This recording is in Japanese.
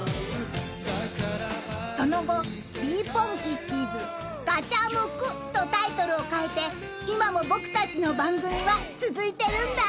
［その後『ｂｅポンキッキーズ』『ガチャムク』とタイトルを変えて今も僕たちの番組は続いてるんだ］